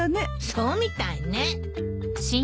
そうみたいね。